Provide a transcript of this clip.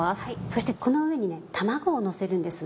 そしてこの上に卵をのせるんです。